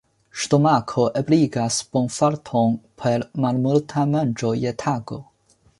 Stomako ebligas bonfarton per malmulta manĝo je tago.